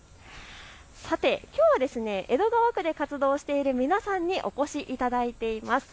さて、きょうは江戸川区で活動している皆さんにお越しいただいています。